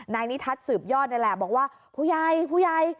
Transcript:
นายนิทัศน์สืบยอดนี่แหละบอกว่าผู้ใหญ่ผู้ใหญ่